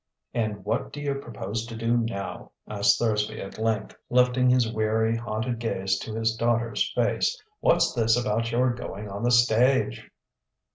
"And what do you propose to do now?" asked Thursby at length, lifting his weary, haunted gaze to his daughter's face. "What's this about your going on the stage?"